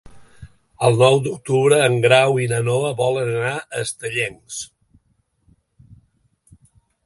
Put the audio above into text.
El nou d'octubre en Grau i na Noa volen anar a Estellencs.